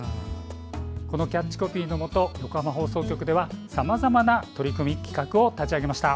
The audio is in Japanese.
このキャッチコピーのもと横浜放送局ではさまざまな取り組み、企画を立ち上げました。